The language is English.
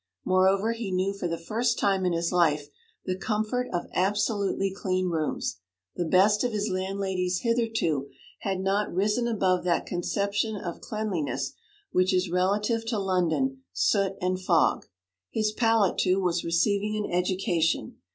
Moreover, he knew for the first time in his life the comfort of absolutely clean rooms. The best of his landladies hitherto had not risen above that conception of cleanliness which is relative to London soot and fog. His palate, too, was receiving an education.